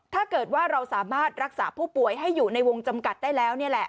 ถ้าเกิดว่าเราสามารถรักษาผู้ป่วยให้อยู่ในวงจำกัดได้แล้วนี่แหละ